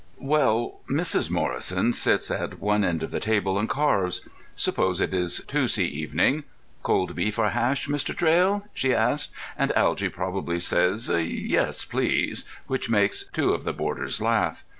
Well, Mrs. Morrison sits at one end of the table and carves. Suppose it is Tuesday evening. "Cold beef or hash, Mr. Traill?" she asks, and Algy probably says "Yes, please," which makes two of the boarders laugh.